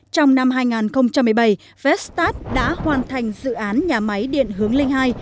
trong năm hai nghìn một mươi bảy vestat đã hoàn thành dự án nhà máy điện hướng linh hai